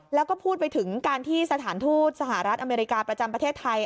แล้วก็พูดไปถึงการที่สถานทูตสหรัฐอเมริกาประจำประเทศไทย